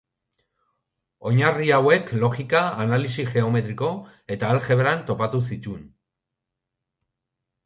Oinarri hauek logika, analisi geometriko eta aljebran topatu zituen.